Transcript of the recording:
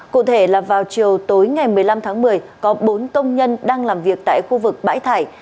cụ thể là vào chiều tối ngày một mươi năm tháng một mươi có bốn công nhân đang làm việc tại khu vực bãi thải